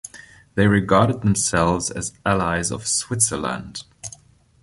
They regarded themselves as allies of Switzerland.